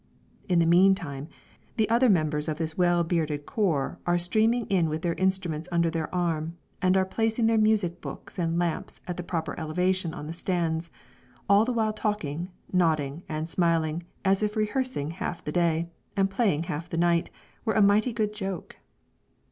In the meantime, the other members of this well bearded corps are streaming in with their instruments under the arm, and are placing their music books and lamps at the proper elevation on the stands, all the while talking, nodding, and smiling as if rehearsing half the day, and playing half the night, were a mighty good joke.